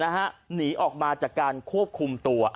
หนีออกมาจากการควบคุมตัว